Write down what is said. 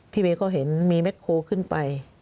พี่เบ๊ก็เห็นมีแม็กโครขึ้นไป